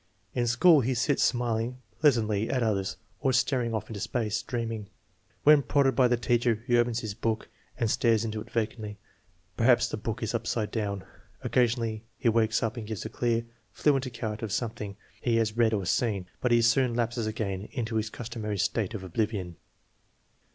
In school he sits smiling pleas antly at others or staring off into space, dreaming. When prodded by the teacher he opens his book and stares into it vacantly. Perhaps the book is upside down. Occasion ally he wakes up and gives a clear, fluent account of some thing he has read or seen, but he soon lapses again into his customary state of oblivion.